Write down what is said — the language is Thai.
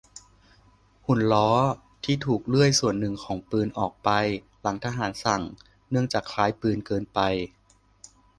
หุ่นล้อที่ถูกเลื่อยส่วนหนึ่งของปืนออกไป หลังทหารสั่ง เนื่องจากคล้ายปืนเกินไป